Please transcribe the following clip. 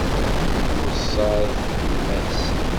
Tweṣṣa-t yemma-s.